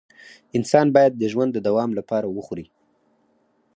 انسان باید د ژوند د دوام لپاره وخوري